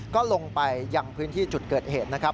ก็ลงไปยังพื้นที่จุดเกิดเหตุนะครับ